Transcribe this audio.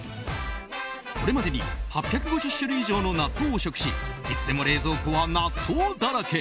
これまでに８５０種類以上の納豆を食しいつでも冷蔵庫は納豆だらけ